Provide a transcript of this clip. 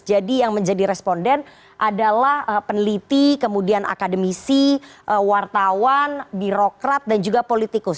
jadi yang menjadi responden adalah peneliti kemudian akademisi wartawan birokrat dan juga politikus